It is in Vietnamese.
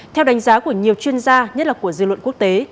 theo đánh giá của nhiều chuyên gia nhất là của dư luận quốc tế